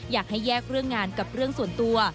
อยากให้แยกเรื่องงานกับเรื่องส่วนตัว